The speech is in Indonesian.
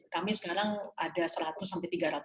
kami sekarang ada seratus sampai tiga ratus